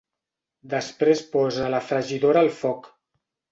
Després posa la fregidora al foc.